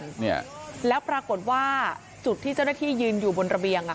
เนี่ยแล้วปรากฏว่าจุดที่เจ้าหน้าที่ยืนอยู่บนระเบียงอ่ะ